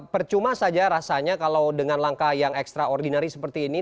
percuma saja rasanya kalau dengan langkah yang ekstraordinari seperti ini